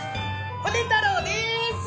ホネ太郎です！